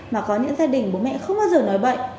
mà có những gia đình bố mẹ không bao giờ nói bệnh